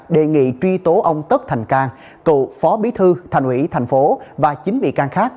đề nghị truy tố ông tất thành cang cựu phó bí thư thành ủy thành phố và chín bị can khác